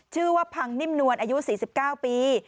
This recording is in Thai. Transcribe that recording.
ชื่อว่าพังนิ่มนวลอายุ๔๙ปี